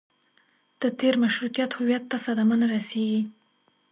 د تېر مشروطیت هویت ته صدمه نه رسېږي.